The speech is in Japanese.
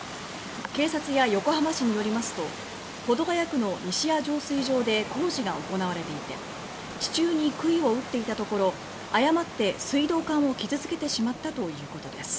警察や横浜市によりますと保土ヶ谷区の西谷浄水場で工事が行われていて地中に杭を打っていたところ誤って水道管を傷つけてしまったということです。